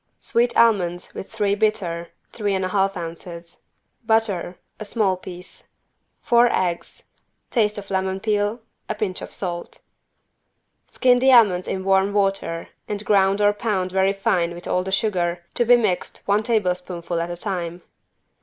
Sweet almonds with three bitter, three and a half ounces. Butter, a small piece. Four eggs. Taste of lemon peel. A pinch of salt. Skin the almonds in warm water and ground or pound very fine with all the sugar, to be mixed one tablespoonful at a time.